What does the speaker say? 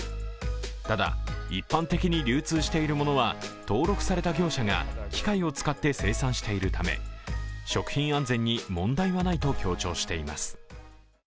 ただ、一般的に流通しているものは登録された業者が機械を使って生産しているため食品安全に問題はないと強調しています。